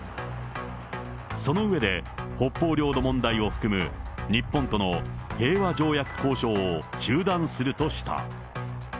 その上で、北方領土問題を含む日本との平和条約交渉を中断するとした。